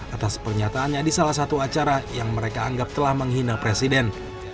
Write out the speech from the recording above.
atas pernyataannya di salah satu acara yang mereka anggap telah menghina presiden